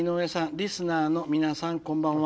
リスナーの皆さんこんばんは」。